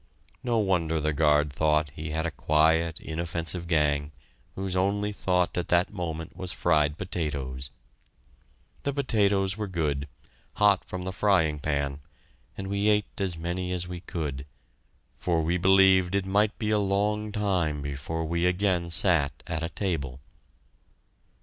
No wonder the guard thought he had a quiet, inoffensive gang whose only thought at that moment was fried potatoes. The potatoes were good, hot from the frying pan, and we ate as many as we could, for we believed it might be a long time before we again sat at a table.